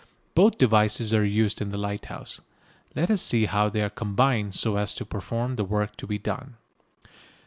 Both devices are used in the lighthouse. Let us see how they are combined so as to perform the work to be done.